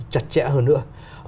chặt chẽ hơn nữa